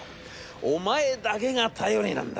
お前だけが頼りなんだ。